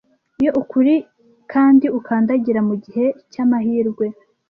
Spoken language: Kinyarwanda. Iyo ukuri kandi ukandagira mugihe cyamahirwe?